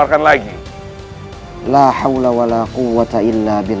mereka bisa menempati tempat disana